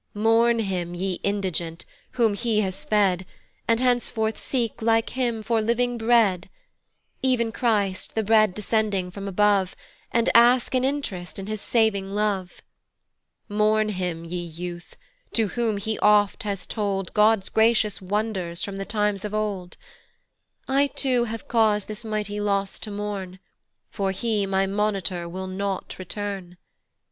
"Mourn him, ye indigent, whom he has fed, "And henceforth seek, like him, for living bread; "Ev'n Christ, the bread descending from above, "And ask an int'rest in his saving love. "Mourn him, ye youth, to whom he oft has told "God's gracious wonders from the times of old. "I too have cause this mighty loss to mourn, "For he my monitor will not return.